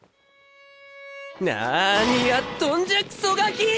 なにやっとんじゃクソガキ！